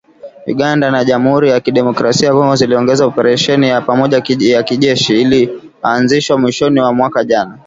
Uganda na Jamhuri ya Kidemokrasi ya Kongo ziliongeza operesheni ya pamoja ya kijeshi iliyoanzishwa mwishoni mwa mwaka jana.